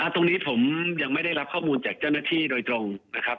ตรงนี้ผมยังไม่ได้รับข้อมูลจากเจ้าหน้าที่โดยตรงนะครับ